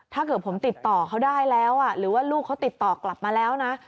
ถ้าเกิดผมติดต่อเขาได้แล้วหรือว่าลูกเขาติดต่อกลับมาแล้วนะ